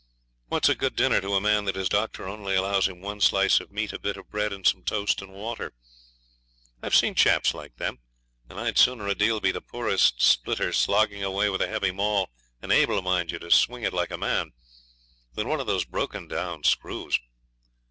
What's a good dinner to a man that his doctor only allows him one slice of meat, a bit of bread, and some toast and water? I've seen chaps like them, and I'd sooner a deal be the poorest splitter, slogging away with a heavy maul, and able, mind you, to swing it like a man, than one of those broken down screws.